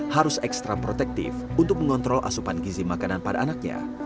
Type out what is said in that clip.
harus ekstra protektif untuk mengontrol asupan gizi makanan pada anaknya